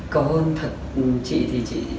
cầu hôn thật chị thì chị